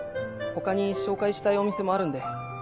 他に紹介したいお店もあるんで。